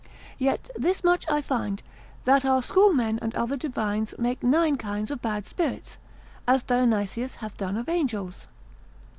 Yet thus much I find, that our schoolmen and other divines make nine kinds of bad spirits, as Dionysius hath done of angels.